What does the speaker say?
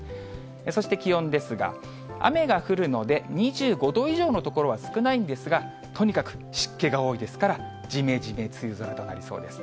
そして気温ですが、雨が降るので、２５度以上の所は少ないんですが、とにかく湿気が多いですから、じめじめ梅雨空となりそうです。